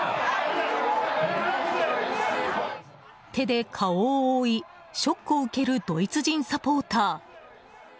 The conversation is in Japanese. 手で顔を覆いショックを受けるドイツ人サポーター。